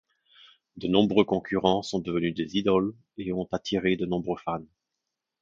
De nombreux concurrents sont devenus des idoles et ont attiré de nombreux fans.